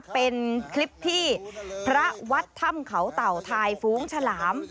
เป็นคลิปที่พระวัดถ้ำเขาเต่าทายฟู้งฉลาม